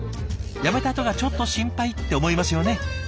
辞めたあとがちょっと心配って思いますよね。